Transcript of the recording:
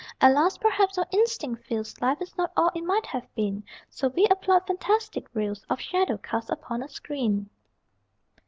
Alas, perhaps our instinct feels Life is not all it might have been, So we applaud fantastic reels Of shadow, cast upon a screen!